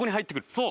そう！